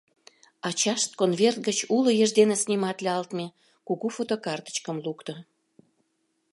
Ачашт конверт гыч уло еш дене сниматлалтме кугу фотокартычкым лукто.